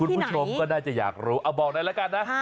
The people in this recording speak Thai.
คุณผู้ชมก็น่าจะอยากรู้เอาบอกเลยละกันนะ